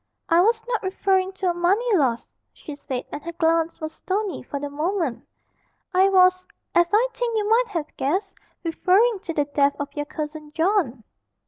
'I was not referring to a money loss,' she said, and her glance was stony for the moment; 'I was (as I think you might have guessed) referring to the death of your cousin John.'